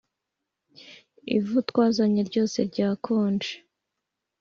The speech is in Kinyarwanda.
ivu twazanye ryose ryarakonje.